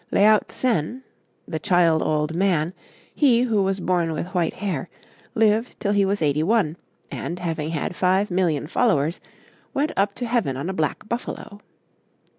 Laot sen, the child old man, he who was born with white hair, lived till he was eighty one, and, having had five million followers, went up to heaven on a black buffalo.